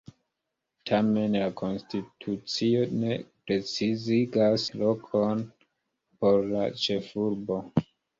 Tamen, la konstitucio ne precizigas lokon por la ĉefurbo.